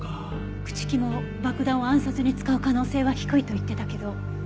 朽木も爆弾を暗殺に使う可能性は低いと言ってたけど。